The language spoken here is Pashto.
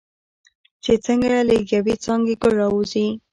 چې څنګه له یوې څانګې ګل راوځي.